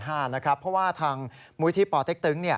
เพราะว่าทางมูลที่ปเต็กตึง